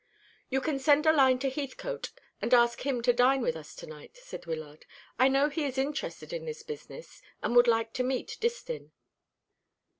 "You can send a line to Heathcote and ask him to dine with us to night," said Wyllard. "I know he is interested in this business, and would like to meet Distin."